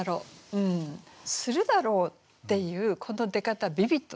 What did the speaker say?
「するだろう」っていうこの出方ビビッドでしょ。